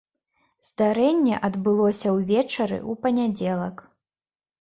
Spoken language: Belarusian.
Здарэнне адбылося ўвечары ў панядзелак.